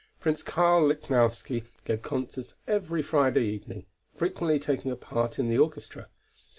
Prince Karl Lichnowsky gave concerts every Friday evening, frequently taking a part in the orchestra.